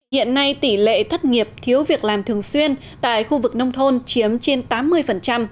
hiện nay tỷ lệ thất nghiệp thiếu việc làm thường xuyên tại khu vực nông thôn chiếm trên tám mươi